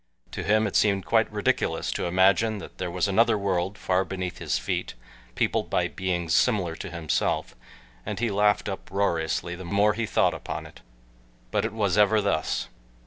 To him it seemed quite ridiculous to imagine that there was another world far beneath his feet peopled by beings similar to himself, and he laughed uproariously the more he thought upon it. But it was ever thus.